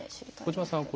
小島さん